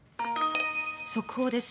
速報です。